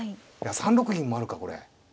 ３六銀もあるかこれ。